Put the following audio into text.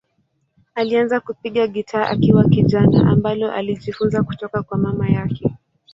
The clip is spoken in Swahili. Alianza kupiga gitaa akiwa kijana, ambalo alijifunza kutoka kwa mama yake.